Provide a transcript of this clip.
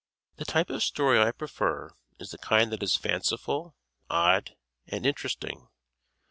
The type of story I prefer is the kind that is fanciful, odd and interesting.